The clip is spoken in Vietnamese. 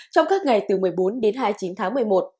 trong các ngày từ một mươi bốn đến hai mươi chín tháng một mươi một